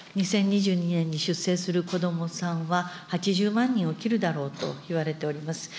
２０２２年に出生する子どもさんは８０万人を切るだろうといわれております。